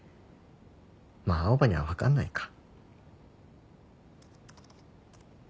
まあ青羽には分かんないか。